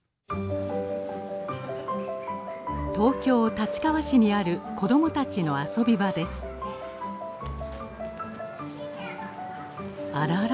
東京・立川市にある子どもたちの遊び場ですあらあら？